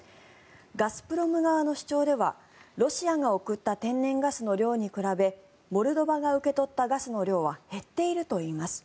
ガスプロム側の主張ではロシアが送った天然ガスの量に比べモルドバが受け取ったガスの量は減っているといいます。